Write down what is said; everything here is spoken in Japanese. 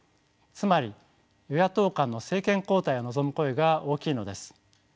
つまり与野党間の政権交代を望む声が大きいのです。